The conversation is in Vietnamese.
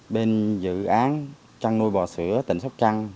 bên dự án chăn nuôi bò sữa tỉnh sóc trăng